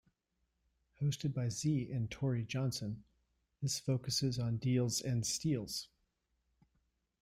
Hosted by Zee and Tory Johnson, this focuses on deals and steals.